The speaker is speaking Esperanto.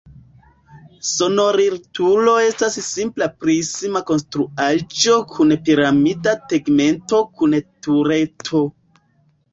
Sonorilturo estas simpla prisma konstruaĵo kun piramida tegmento kun tureto.